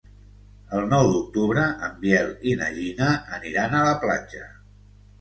El nou d'octubre en Biel i na Gina aniran a la platja.